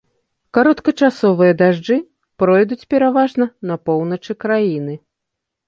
Кароткачасовыя дажджы пройдуць пераважна на поўначы краіны.